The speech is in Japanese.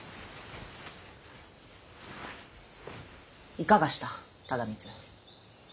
いかがした忠光。